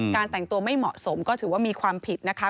แต่งตัวไม่เหมาะสมก็ถือว่ามีความผิดนะคะ